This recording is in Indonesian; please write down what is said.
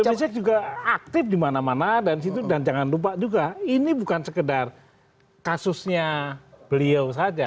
pak jejak juga aktif dimana mana dan jangan lupa juga ini bukan sekedar kasusnya beliau saja